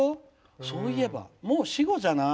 そういえば、もう死語じゃない？